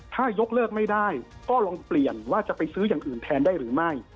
ถ้ายกเลิกไม่ได้ก็ลองเปลี่ยนว่าจะไปซื้ออย่างอื่นแทนได้หรือไม่